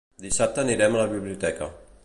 Dissabte anirem a la biblioteca.